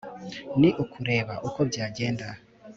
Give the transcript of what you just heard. Ni ukureba uko byagenda